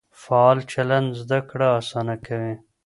فعال چلند زده کړه اسانه کوي.